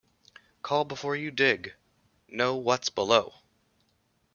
"Call before you dig", "Know What's Below!